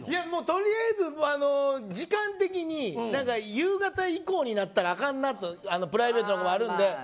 取りあえず時間的に夕方以降になったらあかんなってプライベートあるんで。